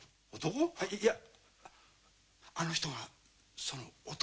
いやあの人がその弟。